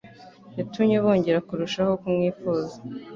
Yatumye bongera kurushaho kumwifuza;